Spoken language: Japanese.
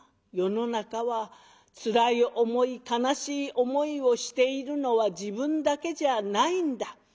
世の中はつらい思い悲しい思いをしているのは自分だけじゃないんだ。